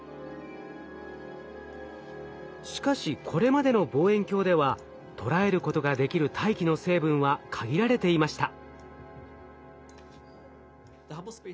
しかしこれまでの望遠鏡では捉えることができる大気の成分は限られていました。